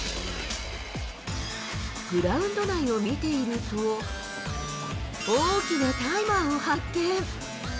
グラウンド内を見ていると、大きなタイマーを発見。